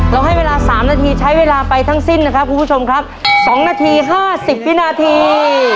ให้เวลา๓นาทีใช้เวลาไปทั้งสิ้นนะครับคุณผู้ชมครับ๒นาที๕๐วินาที